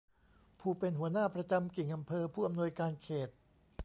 ผู้เป็นหัวหน้าประจำกิ่งอำเภอผู้อำนวยการเขต